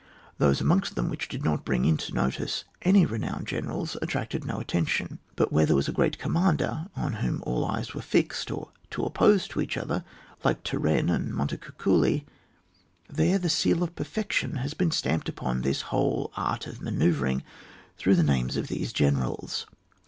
Those amongst them which did not bring into notice any renowned generals, attracted no attention ; but wiiere there was a great commander on whom all eyes were fixed, or two opposed to each other, like Turenne and Montecucidi, there the seal of perfection has been stamped upon this whole art of manoeuvring through the names of these generals.